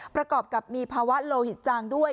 ประกอบกับมีภาวะโลหิตจางด้วย